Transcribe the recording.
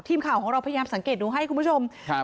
ทีมข่าวของเราพยายามสังเกตดูให้คุณผู้ชมครับ